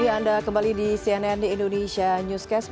ya anda kembali di cnn indonesia newscast